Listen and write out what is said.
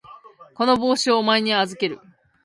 この帽子をお前に預ける。